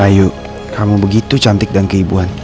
ayo kamu begitu cantik dan keibuan